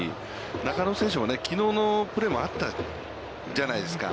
中野選手、きのうのプレーもあったじゃないですか。